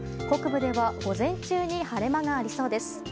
北部では午前中に晴れ間がありそうです。